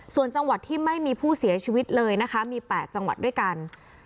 ส่วนจังหวัดที่ไม่มีผู้เสียชีวิตเลยนะคะมี๘จังหวัดด้วยกัน